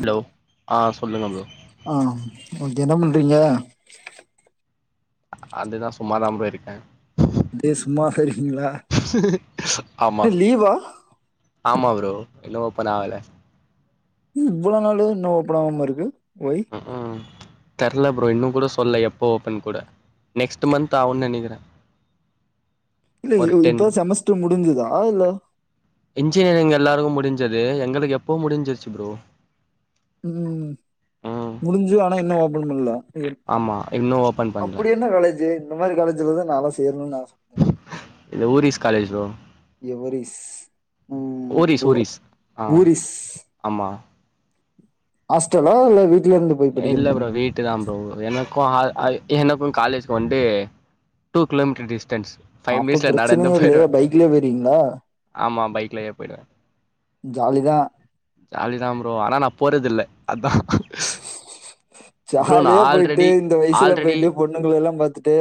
Hello ஆ சொல்லுங்க bro ஆ ஓகே என்ன பண்றீங்க அதுதா சும்மாதா ப்ரோ இருக்கே அதே சும்மாவே இருக்கிங்களா ஆமா ஆமா ப்ரோ இன்னு ஓப்பன் ஆகல இவ்ளோ நாளு இன்னு ஓப்பன் ஆகாம இருக்கு ஒய் ம் தெர்ல ப்ரோ இன்னு கூட சொல்ல எப்போ ஓப்பன் கூட நெக்ஸ்ட் மந்த் ஆகு நினைக்கிறே இல்ல டென் இப்பதா செமஸ்டர் முடிஞ்சுதா இல்ல இன்ஜினியரிங் எல்லாருக்கு முடிஞ்சது எங்களுக்கு எப்போ முடிஞ்சிருச்சு ப்ரோ ம் ம் முடிஞ்சு ஆனா இன்னு ஓப்பன் பண்ணல ஆமா இன்னு ஓப்பன் பண்ல அப்படி என்ன காலேஜீ இந்த மாரி காலேஜ்லதா நான்லா சேரணு ஆச பட்டே இது ஊரிஸ் காலேஜ் ப்ரோ எவரிஸ் ம் ஊரிஸ் ஊ- ஊரிஸ் ஆ ஊரிஸ் ஆமா ஹாஸ்ட்டலா இல்ல வீட்ல இருந்து போய் படிக்கிற இல்ல ப்ரோ மாரியா வீட் கிட்ட தா ப்ரோ எனக்கு எனக்கு காலேஜ் வந்ட்டு டூ கிலோமீட்டர் டிஸ்டன்ஸ் ஃபைவ் அப்ப மினிட்ஸ்ல நடந்து பிரச்சனயே இல்லையே போயிருவே பைக்லே போய்றுவீங்களா ஆமா பைக்லயே போயிடுவே ஜாலிதா ஜாலி தா ப்ரோ ஆனா நா போறதில்ல அதா ப்ரோ நா ஜாலியா போயிட்டு ஆல்ரெடி இந்த வயசுல ஆல்ரெடி போயிட்டு பொண்ணுங்களை எல்லா பாத்துட்டு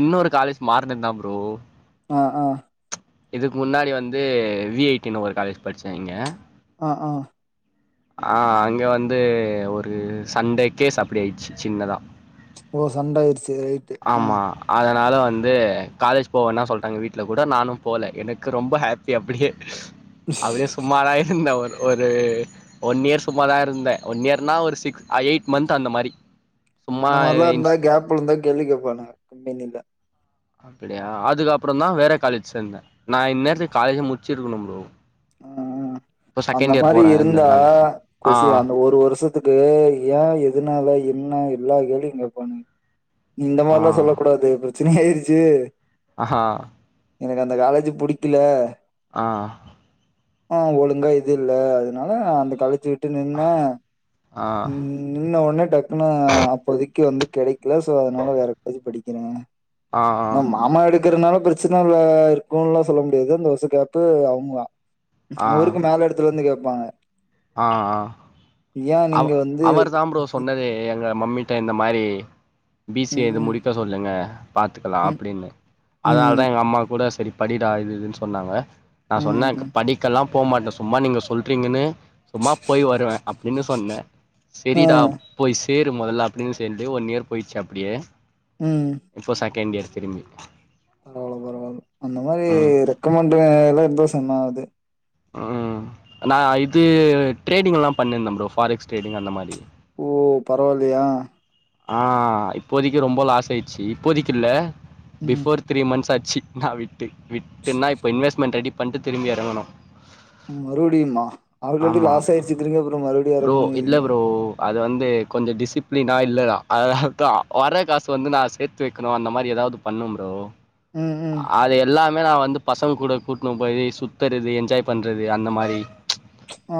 இன்னொரு காலேஜ் மாறினந்தா ப்ரோ ஆ ஆ இதுக்கு முன்னாடி வந்து வி ஐ டினு ஒரு காலேஜ் படிச்சே இங்க ஆ ஆ ஆ அங்க வந்து ஒரு சண்டே கேஸ் அப்டி ஆயிடுச்சு சின்னதா ஓ சண்ட ஆயிர்ச்சு ஆமா அதனால வந்து காலேஜ் போவேன்னா சொல்ட்டாங்க வீட்ல கூட நானு போல எனக்கு ரொம்ப ஹாப்பி அப்டியே அப்டியே சும்மாதா இருந்த ஒரு ஒரு ஒன் இயர் சும்மாதா இருந்த ஒன் இயர்னா ஒரு சிக்ஸ் எயிட் மன்த் அந்த மாரி சும்மா அந்த மாரிலா இருந்தா இன்ஸ் கேப்ல இருந்தா கேள்வி கேப்பானுங்க கம்பெனில அப்படியா அதுக்கப்புற தா வேற காலேஜ் சேந்த நா இந்நேரத்துக்கு காலேஜ்ஜே முச்சிருக்கணு ப்ரோ ம் இப்போ அந்த செகண்ட் இயர் மாரி போறேன் இந்த இருந்தா காலேஜ் ஆ கொசி அந்த ஒரு வருஷத் துக்கு ஏ எதுனால என்ன எல்லா கேள்வியு கேப்பானுங்க நீ இந்த ஆ மாரிலா சொல்ல கூடாது பிரச்சனயாயிருச்சு அஹா எனக்கு அந்த காலேஜீ புடிக்கல ஆ ஆஹ் ஒழுங்கா இது இல்ல அதனால அந்த காலேஜுட் ட்டு நின்ன ஆ ம் நின்ன ஒன்னே டக்குன்னு அப்போதைக்கு வந்து கிடைக்கல சோ அதனால வேற காலேஜ்ல படிக்கிற ஆ ஆ அம்மா எடுக்கறதுனால பிரச்சன இருக்கும்லா சொல்ல முடியாது அந்த வருஷ கேப்பு அவுங்ளா ஆ அவருக்கு மேல எடத்துல இருந்து கேப்பாங்க அ அ ஏன் அவ நீங்க வந்து அவர் தா ப்ரோ சொன்னதே எங்க மம்மி கிட்ட இந்த மாரி பி சி ஏ இது ம் முடிக்க சொல்லுங்க பாத்துக்கலா ம் அப்டின்னு ம் அதனாலதா எங்க அம்மா கூட சரி படிடா இது இதுன்னு சொன்னாங்க நா சொன்ன ம் ம் படிக்கெல்லா போமாட்ட சும்மா நீங்க சொல்றீங்கன்னு சும்மா போய் வருவ என்ன சொன்ன ஆ செரிடா போய் சேரு மொதல்ல அப்டின்னு சேந்து ஒன் இயர் போய்ட்ச்சு அப்டியே ம் இப்போ செகண்ட் இயர்ஸ் திரும்பி பரவால்ல பரவால்ல அந்த மாரி ம் ரெக்கமெண்ட் எல்லா இருந்தோ சென்னாது நா இது ட்ரேடிங்ல்லா பண்ணிந்த ப்ரோ ஃபாரெக்ஸ் ட்ரேடிங் அந்த மாரி ஓ பரவால்லையா ஆஹ் இப்போதைக்கு ரொம்ப லாஸ் ஆயிச்சு இப்போதைக்கு இல்ல ம் பிஃபோர் த்ரீ மந்த்ஸ் ஆச்சு நா விட்டு விட்டுன்னா இப்போ இன்வெஸ்ட்மெண்ட் ரெடி பண்ட்டு திரும்பி எறங்கணு மறுடியும்மா ஆல் ரெடி ஆமா லாஸ் ஆயிருச்சு திரும்பி அப்பறோ மறுடியு ப்ரோ இல்ல எறங்கணுங்கீரீங்க ப்ரோ அது வந்து கொஞ்சோ டிசிப்ளினா இல்ல தா அத வர காசு வந்து நா சேத்து வைக்கணு அந்த மாரி எதாது பண்ண ப்ரோ ம் ம் அது எல்லாமே நா வந்து பசங்க கூட கூட்னு போயீ சுத்தறது என்ஜாய் பண்றது அந்த மாரி அ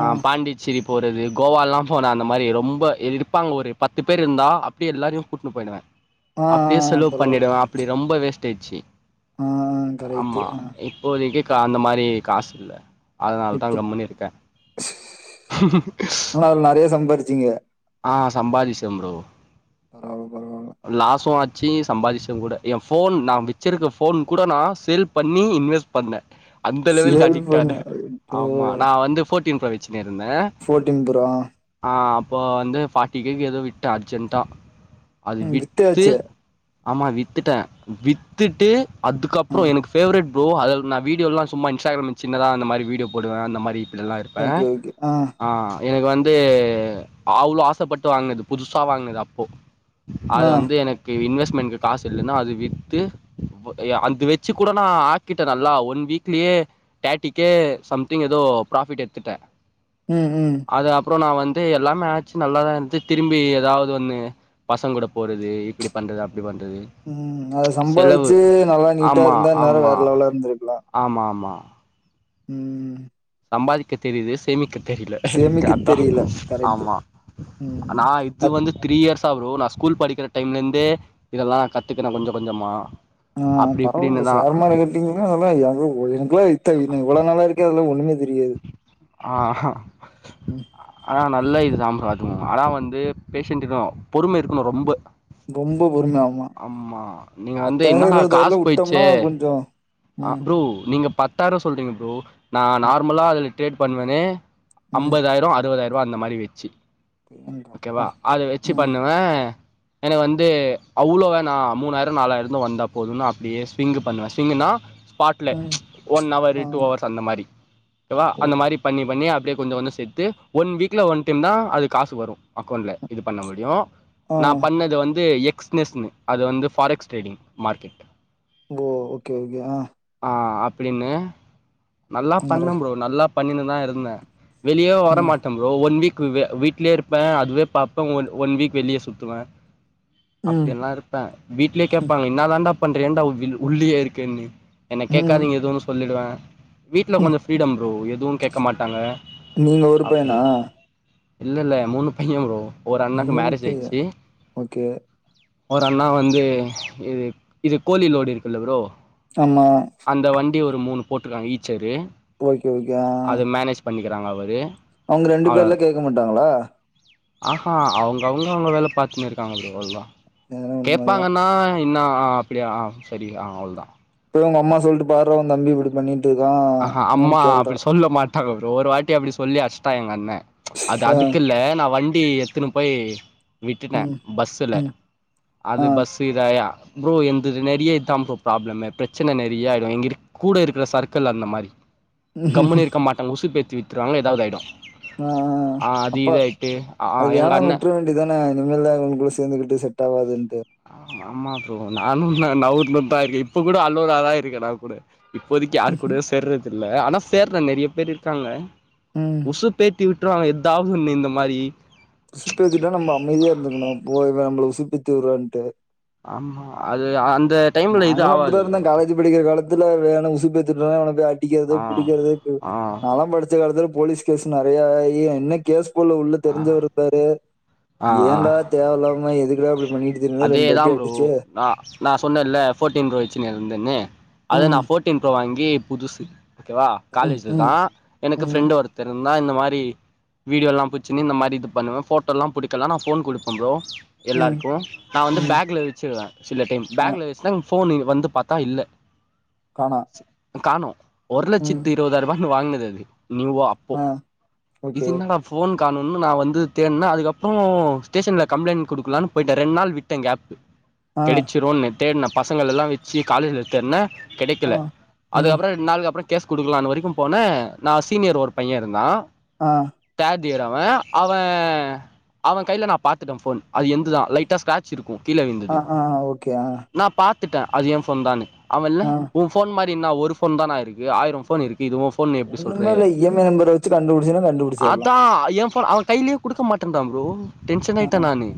அ பாண்டிச்சேரி போறது கோவால்லா போன அந்த மாரி ரொம்ப இருப்பாங்க ஒரு பத்து பேர் இருந்தா அப்டியே எல்லாரையு கூட்னு போய்டுவ ஆ ஆ அப்டியே ஆ செலவு பரவால்ல. பண்ணிடுவ அப் அப்டி ரொம்ப வேஸ்ட் ஆய்ச்சி ஆ கரெக்ட்டு. ஆமா ஆ இ இப்போதைக்கு அந்த மாரி காசு இல்ல அதனால தா இப்ப கம்முனு இருக்கே ஆனா அதுல நெறைய சம்பாரிச்சீங்க. ஆ சம்பாதிஷ ப்ரோ பரவால்ல பரவால்ல லாஸு ஆச்சி சம்பாதிச்ச கூட எ ஃபோன் நா வச்சிருக்க ஃபோன் கூட நா சேல் பண்ணி இன்வெஸ்ட் பண்ண அந்த லெவலுக் சேல் பண்ண அடிக்ட்டான ஐயோ! ஆமா நா வந்து ஃபோர்டீன் ப்ரோ வச்சுன்னு இருந்த ஃபோர்டின் ப்ரோ ஆ அப்போ வந்து ஃபார்ட்டி கேக்கு எதோ விட்ட அர்ஜென்ட்டா அத ம் வித்து வித்தாச்சே! ஆமா வித்துட்ட வித் வித்துட்டு ஆ. அதுக்கப்பறோ எனக்கு ஃபேவ்ரெட் ப்ரோ அதல நா வீடியோல்லா சும்மா இன்ஸ்ட்கிராம்ல சின்னதா அந்த மாரி வீடியோ போடுவ அந்த மாரி அதெல்லா இருப்ப ஓகே ஓகே ஆ எனக்கு வந்து அவ்ளோ ஆசப்பட்டு வாங்குனது புதுசா வாங்குனது அப்போ அது ஆ வந்து எனக்கு இன்வெஸ்ட்மெண்ட்கு காசு இல்லன்னு அத வித் து ஓ ஏ அந்த வச்சு கூட நா ஆக்கிட்ட நல்லா ஒன் வீக்லயே தேர்ட்டிகே சம்திங் ஏதோ ப்ராஃபிட் எடுத்துட்ட ம் ம் அது அப்பறோ நா வந்து எல்லாமே ஆச்சு நல்லாதா இருந்ச்சி திரும்பி ஏதாவது வந்து பசங்க கூட போறது இப்டி பண்றது அப்டி பண்றது ம் அத செலவு சம்பாதிச்சு நல்லா நீட்டா ஆமா இருந்தா இந்நேர ஆமா வேற லெவல்ல இருந்துருக்கலா ஆமா ஆமா ம் சம்பாதிக்க தெரிது சேமிக்க தெரில எனக்கு சேமிக்க அதா தெரியல கரெக்ட் ஆமா ம் நா இது அத் வந்து த்ரீ இயர்ஸா ப்ரோ நா ஸ்கூல் படிக்கிற டைம்ல இருந்தே இதெல்லா நா கத்துக்குன கொஞ்ச கொஞ்சமா ஆ அப்டி பரவால்ல ப்ரோ இப்டின்னுதா சேர்மாருக்கறது அப்டிங்கிறதுலா எல்லா ப்ரோ எனக்குலா இத்த இவ்வளோ நாளா இருக்க அதல்லா ஒண்ணுமே தெரியாது ஆ ம் ஆனா நல்ல இது தாம் ப்ரோ அதுவு ஆனா வந்து பேஷண்ட்டுதா பொறும இருக்கணு ரொம்ப ரொம்ப பொறுமை ஆமா நீங்க வந்து என்னடா காஸ் விட்டோம்னா போயிச்சே கொஞ்சம் ஆ ம் ப்ரோ நீங்க பத் தாயிர சொல்றீங்க ப்ரோ நா ம் நார்மலா அதில் ட்ரேட் பண்ணுவனே ம் அம்பதாயிர அறுவதாயிர ப்ரோ அந்த மாரி வச்சு எங்கப்பா! ஓகேவா அது வச்சு ம் பண்ணுவ எனக்கு வந்து அவ்வுளோ வேணா மூணாயிர நாலாயிரலேந்து வந்தா போதும்னு அப்டியே ஸ்விங்கு பண்ணுவ ஸ்விங்குனா ஸ்பாட்ல ம் ஒன் அவரு ஆ டூ ஹவர்ஸ் அந்த மாரி ஓகேவா ஓ அந்த மாரி பண்ணி பண்ணி அப்டியே கொஞ்ச கொஞ்ச சேத்து ஒன் வீக்ல ஒன் டைம் தா அது காசு வரு அக்கௌண்ட்ல இது பண்ண முடியு ஆ நா பண்ணது வந்து எக்ஸ்னஸ்னு அது வந்து பாரக்ஸ் ட்ரேடிங் மார்க்கெட் ஓ ஓகே ஓகே ஆ ஆ அப்டின்னு நல்லா பண்ண நெறைய ப்ரோ நல்லா பண்ணின்னுதா இருந்த வெளியவே ம் வரமாட்ட ப்ரோ ஒன் வீக் வி வீட்லயே இருப்ப அதுவே பாப்ப ஒன் ஒன் வீக் வெளியே சுத்துவ ம் அப்டிலா இருப்ப வீட்லயே கேப்பாங்க என்ன தாண்டா பண்ற ஏண்டா வில் உள்ளியே இருக்கேன்னு என்ன கேக்காதீங்க ம். எதுவுன்னு சொல்லிடுவ வீட்ல கொஞ்ச செல்லம் ப்ரோ எதுவும் கேக்க மாட்டாங்க நீங்க ஒரு அப்டி பையனா? இல்லல்ல மூணு பைய ப்ரோ ஒரு அண்ணாக்கு மேரேஜ் பையன். ஆயிடுச்சு ஓகே. ஒரு அண்ணா வந்து இது இது கோழி லோடி இருக்குல்ல ப்ரோ ஆமா அந்த வண்டி ஒரு மூணு போட்டுக்காங்க ஈச்சரு ஓகே ஓகே ஆ அத மேனேஜ் பண்ணிக்கறாங்க அவரு அவ்ங்க ரெண்டு அவ பேர்ல கேக்க மாட்டாங்களா ஆஹா அவ்ங்க அவ்ங்க அவ்ங்க வேல பாத்துன்னு இருக்காங்க ப்ரோ அவ்ளோதா அதெல்லாம் உண்மதான். கேட்பாங்கன்னா இன்னா அப்டியா ஆ சரி ஆ அவ்ளோதா இப்பதா உங்க அம்மா சொல்லிட்டு பார்ரா உன் தம்பி இப்டி பண்ணிட் ஆஹா அம்மா அப்டி சொல்ல மாட் ஒரு வாட்டி அப்டி சொல்லி அச்ட்டா எங்க அண்ணே அது ஆ. அதுக்கு இல்ல நா வண்டி எடுத்துன்னு போய் விட்டுட்டே ம். பஸ்ஸுல ம். ஆ. அது பஸ் புரியுதா யா ப்ரோ என்துது நெறிய்ய இதான் ப்ரோ பராப்ளம் பிரச்சன நெறிய்ய ஆயிடும் இங்க இருக் கூட இருக்குற சர்க்க துல அந்த மாதிரி கம்முனு இருக்க மாட்டாங்க உசு பேத்து விட்டுருவாங்கள ஏதாவது ஆயிடும் ஆ, ஆ. ஆ அது இதாயட்டு ஆ எங்க அண்ணே இதான இனி மேல் அவே கூட சேந்துகிட்டு செட் ஆகாதுன்ட்டு ஆமா ப்ரோ நானும் நவுருனு தாருக்கே இப்ப கூட அல்லோட ஆளா தான் இருக்கேன் நா கூட இப்போதைக்கு யார் கூடயுசேர்றது இல்ல ஆனா சேர்றேன் நிறைய பேர் இருக்காங்க உம் உசு பேத்தி விட்டுருவாங்க எதாவ்து ஒண்ணு இந்த மாரி உசுப்பேத்திட்டா நம்ம அமைதியா இருந்துக்கணு போ இவே நம்மள உசுப்பேத்து விடுறான்ட்டு ஆமா அது அந்த டைம்ல இது ஆவாது ப்ரோ இது படிக்கிற காலத்ல வேணா‌ உசுப்பேதுனா அவன போய் அடிக்கிறது ஆ புடிக்கிறது ஆ நா லாம் படி ச்ச காலத்துல போலீஸ் கேஸ் நிறைய ஆயி என்ன கேஸ் போல உள்ள ஆ தெரிஞ்சரு இருந்தாரு ஆ ஆ ஏண்டா தேவலாம எதுக்குடா அப்டி பண்ணிட்டு திரியறன்னு ரெண்டு அதேதா அடி ப்ரோ அடிச்சு நா சொன்னே ல்ல ஃபோட்டின் ப்ரோ வச்சுருந்தேனு அது நா ம், ஃபோட் டின் ப்ரோ வாங்கி புதுசு ஓகேவா ம், காலேஜ்ல ம், தான் எனக்கு ம், பிரெண்ட் ஒருத தெரிந்தா இந்த மாரி வீடியோ எல்லாம் புச் சின்னு இந்த மாதிரி இது பண்ணுவே ஃபோட்ட லாம் புடிக்கலாம் நா போன் குடுப்பே ப்ரோ ம், எல்லாருக்கும் நா வந்து ம், பேக்ல வச்சிருவேன் சில டைம் ஆ, பேக்ல வச்சுனா போன் வந்து பாத்தா இல்ல காணா காணும் ஒரு லட்சத்து இருபதாயி ரூவான்னு வாங்குனது அது நியூவா போ ஆ, ஓகே. இதென்னடா ஃபோன் காணம்னு நா வந்து தேடுன்னா அதுக்கப்றோ ஸ்டேஷன்ல கம்ளைண்ட் கொடுக்கலாம்னு போயிடடே ரெண்டு நாள் விட்டே கேப் ஆ, கெடச்சரும்ன்னு தேடினே பசங்கள எல்லா வச்சு காலேஜ்ல தேடுனே ஆ, கெடக்கெல ம், அதுக்கப்றோ ரெண்டு நாளுக்கு அப்றோ கேஸ் கொடுக்கலாம்னு வரக்கும் போனே நா சீனியர் ஒரு பையே இருந்தான் ஆ னியர் அவே அவே அவரே கையில நா பாத்துட்டே ஃபோன் அது எந்துதா லைட்டா ஸ்கிராச் சிருக்கு கீழ ஆ, விழுந்தது ஆ, ஓகே. ஆ, நா பாத்துட்டேன் அது என் ஃபோன் தா அவே இல்ல ஆ. உன் ஃபோன் மாதிரி ஒரு போன் தானா இருக்கு ஆயிரோ போன் இருக்கு இது உ ஃபோன்னு எப்டி ஒண்ணுமே சொல்ற இல்ல இஎம்ஐ நம்பர வச்சு கண்டுபுடிச்சன்னா கண்டுபிடிச்சரலா ஆ ஏ போன் அவே கையிலேயே கொடுக்க மாட்டுதா ப்ரோ டென்ஷன் ஆ, ஆயிட்டே நானு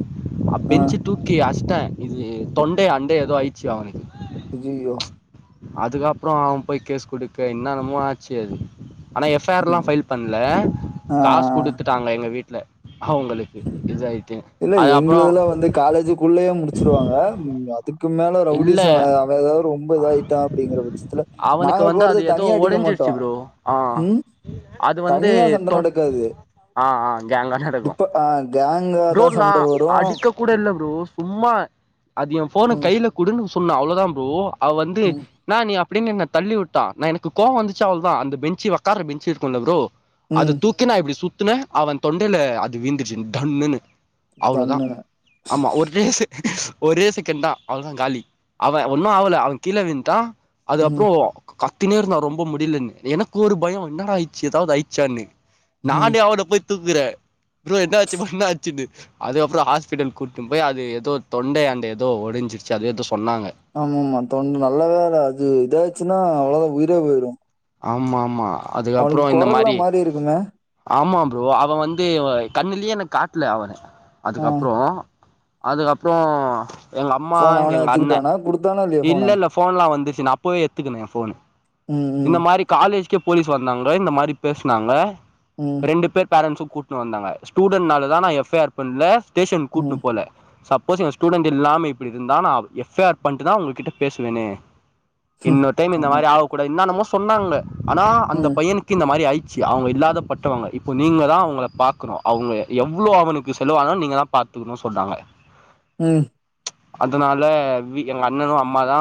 ஆ, பெஞ்ச தூ க்கி அஷ்டே இது தொண்டே அண்டே ஏதோ ஆயிடுச்சு அவனுக்கு ஐய்யயோ அதுக்கப்பறோ அவே போய் கேஸ் குடுக்க இன்னென்னமோ ஆச் சேர்ரி ஆனா எஃப் ஐ ஆர் எல்லா ஃபைல் பண்ணல ஆ, காஸ் ஆ. குடுத்துட்டாங்க எங்க வீட்டுல அவுங்களுக்கு இதாயிட்டே இல்ல எங்கதுல வந்து காலேஜுக்குள்ளயே முடிச்சிருவாங்க ம் இதுக்கு மேல இல்ல ரவுடிச அவ ஏதாவது ரொம்ப இதாயிட்டான் அப்டிங்கிற பட்சத்துல நாங்க போறது தனியா அடிக்க மாட் ச்சி ப்ரோ ஆ அது வந்து தனியா சண்டை தொட் ஆ ஆ கேங்கா நட இப்ப பா கேங் ப்ரோ நான் அடிக்க கூட இல்ல ப்ரோ சும்மா அது என் போனு ம், கையில குடுன்னு சொன்னா அவ்ளோதான் ப்ரோ அவ வந்து ம், நான் நீ அப்டின்னு என்ன தள்ளி விட்டா நான் எனக்கு கோவம் வந்துச்ச அவள்தான் அந்த பெஞ்சு உக்காரற பெஞ்ச இருக்கும்ல ப்ரோ அத ம். தூக்கி நா இப்டி சுத்துன அவன் தொண்டில அது வீந்துச்சு டங்குன்னு அவ்வளோதான் தன்னு. ஆமா ஒரே செக ஒரே செகண்ட் தான் அவ்ளோதான் காலி அவன் ஒன்னும் ஆல அவன் கீழ வீட்டான் அது ம், அப்பறோ கத்தினே இருந்தா ரொம்ப முடியலன்னு எனக்கு ஒரு பயம் என்னட ஆயிடுச்சு ஏதாவது ஆயிடுச்சான்னு ம். நானே அவன போய் தூக்குறேன் ப்ரோ என்ன ஆச்சு பா என்னா ஆச்சுன்னு அதுக்கப்பறம் ஹாஸ்பிட்டல் கூட்டிட்டு போய் அது ஏதோ தொண்டையான்ட ஏதோ ஒடிஞ்சிருச்சா அது எதோ சொன்னாங்க ஆமா ஆமா தொண் நல்ல வேலை அது இதாச்சுன்னா அவ்ளோதான் உயிரே போய்டும் ஆமா ஆமா அதுக்கப்புறம் இந்த மாரி குரல்லாம் மாறி இருக்குமே! ஆமா ப்ரோ அவன் வந்து கண்ணுலயே எனக்கு காட்ல அவன ஆ. அதுக்கப்பறோ அதுக்கப்பறோ எங்க அம்மா எங்க அண்ண ன கொடுத்தான இல்ல இல்ல போன்லாம் வந்துச்சு நான் அப்பவே எத்துக்குனே என் போன ம், இந்த ம், மாரி காலேஜ்கே போலீஸ் வந்தாங்க இந்த மாரி பேசுனாங்க ம் ரெண்டு பேர் பேரண்ட்ஸ கூட்டிட்டு வந்தாங்க ஸ்டூடெட்னாலதான் நான் எஃப் ஐ ஆர் பண்ணல ஸ்டேஷன் கூட்டு ம். போல சப்போஸ் இவன் ஸ்டூடெட் இல்லாம இப்டி இருந்தா நான் எப் ஐ ஆர் பண்ட்டுதான் உங்க கிட்ட பேசுவேனே ம், இன்னொரு டைம் இந்த ஆமா. மாரி ஆகக்கூடாது என்னன்னமோ சொன்னாங்க ஆனா அந்த ம், பைய க்கிஸஇந்த மாரி ஆயிச்சு அவங்க இல்லாதப்பட்டவங்க இப்போ நீங்க தான் அவுங்களை பார்க்கணும் அவுங்க எவ்ளோ அவனுக்கு செலவானோ நீங்க தான் பாத்துக்கணும் சொல்ட்டாங்க ம் அதனால வி எங்க அண்ணனும் அம்மாதா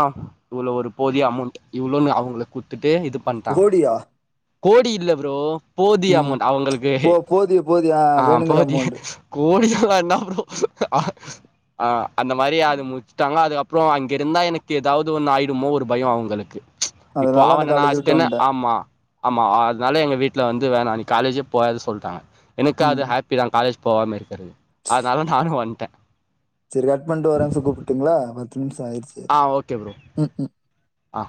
இவ்ளோ ஒரு போதிய அமௌண்ட் இவ்ளோனு அவங்களுக்கு குத்துட்டு இது பண்ணிட்டாங்க கோடியா? கோடி இல்ல ப்ரோ போதிய ம் அமௌன்ட் அவங்களுக்கு போ போதிய போதிய ஆ வேணுங்கிற போதிய அமௌண்ட் கோடி எல்லாம் என்னா ப்ரோ அ அந்த மாரி அது முடிச்சுட்டாங்க அது அப் ப்றோ அங்க இருந்தா எனக்கு ஏதாவது ஒன்னு ஆயிடுமோ ஒரு பயம் அவங்களுக்கு இப்போ அதனால அந்த அவனை நான் காலேஜ் விட்டு அச்டேன்னு வந்ட்டே ஆமா ஆமா அதனால எங்க வீட்ல வந்து வேணா நீ காலேஜ்யே போவதனு சொல்லிட்டாங்க எனக்கு அது ம் ஹா ப்பிதான் காலேஜ் போகாம இருக்குறது அதனால நானும் வன்டேன் சேர் கட் பண்ணிட்டு வர நிஷம் கூப்பிட்டுங்களா பத்துநிமுஷம் ஆய்ருச்சி ஆ ஓகே ப்ரோ ஆ